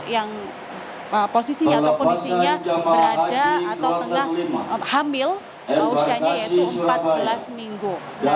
yang posisinya atau kondisinya berada atau tengah hamil usianya yaitu empat belas minggu